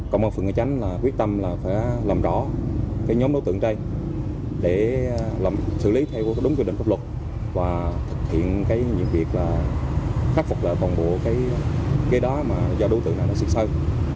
công an phượng nguyễn chánh quyết tâm là phải làm rõ nhóm đối tượng đây để xử lý theo đúng quy định pháp luật và thực hiện những việc khắc phục vòng bộ ghế đá do đối tượng này xịt sơn